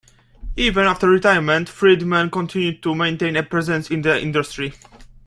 Even after retirement Freedman continued to maintain a presence in the industry.